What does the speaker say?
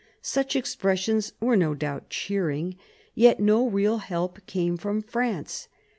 Such expressions were no doubt cheering. Yet no real help came from France.